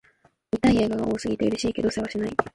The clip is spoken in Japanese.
見たい映画が多すぎて、嬉しいけどせわしない